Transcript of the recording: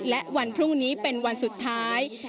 และวันพรุ่งนี้เป็นวันสุดท้าย